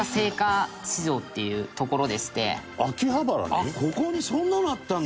「あっここにそんなのあったんだ」